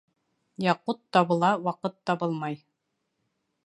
Яҡут табыла, ваҡыт табылмай.